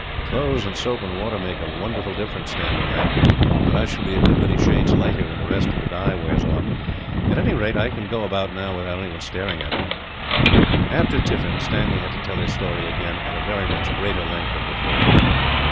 "Clothes and soap and water make a wonderful difference," Stanley laughed, "but I shall be a good many shades lighter, when the rest of the dye wears off. At any rate, I can go about, now, without anyone staring at me." After tiffin, Stanley had to tell his story again, at a very much greater length than before.